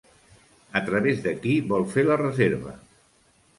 A través de qui vol fer la reserva?